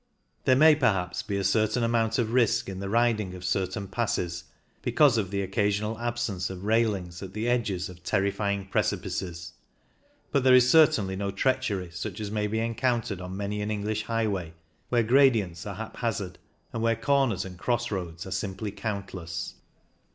There may, perhaps, be a certain amount of risk in the riding of certain passes because of 124 CYCLING IN THE ALPS the occasional absence of railings at the edges of terrifying precipices ; but there is certainly no treachery such as may be encountered on many an English high way, where gradients are haphazard, and where comers and cross roads are simply countless.